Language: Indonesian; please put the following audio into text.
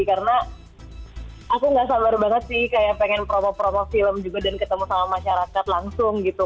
karena aku gak sabar banget sih kayak pengen promo promo film juga dan ketemu sama masyarakat langsung gitu